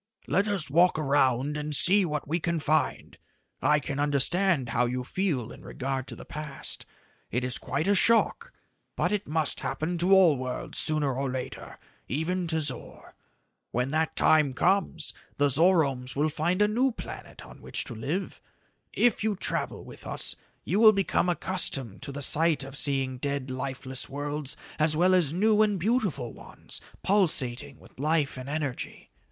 "Let us walk around and see what we can find. I can understand how you feel in regard to the past. It is quite a shock but it must happen to all worlds sooner or later even to Zor. When that time comes, the Zoromes will find a new planet on which to live. If you travel with us, you will become accustomed to the sight of seeing dead, lifeless worlds as well as new and beautiful ones pulsating with life and energy.